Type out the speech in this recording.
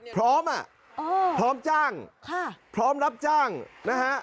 พร้อมอ่ะพร้อมจ้างพร้อมรับจ้างนะฮะ